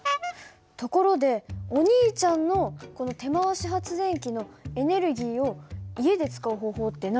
ところでお兄ちゃんのこの手回し発電機のエネルギーを家で使う方法ってないのかな？